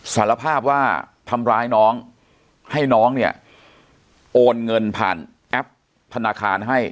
สารภาพว่าทำร้ายน้องให้น้องเนี่ยโอนเงินผ่านแอปธนาคารให้